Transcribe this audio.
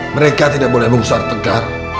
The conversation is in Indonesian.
mereka tidak boleh membesar tegar